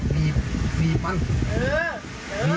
หยุดร้อยนี่ก็ไม่ยอมในครั้งนี้